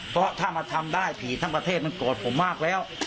เพราะถ้ามาทำได้ผีทั้งประเทศมันโกรธผมมากแล้ว